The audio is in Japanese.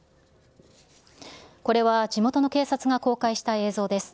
これは地元の警察が公開した映像です。